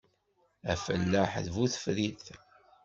Afellaḥ d bu tefrit.